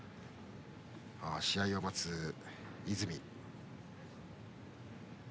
試合を待つ泉。